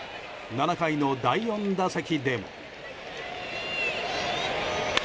７回の第４打席でも。